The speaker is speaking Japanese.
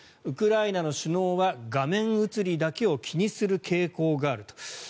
ウクライナの首脳は画面映りだけを気にする傾向があると。